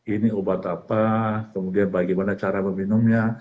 ini obat apa kemudian bagaimana cara meminumnya